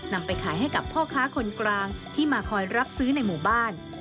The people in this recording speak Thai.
นำไปขายให้กับพ่อค้าคนกลางที่มาคอยรับซื้อในหมู่บ้าน